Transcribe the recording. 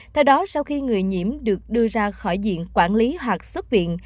theo đó sau khi người nhiễm được đưa ra khỏi diện quản lý hoặc xuất viện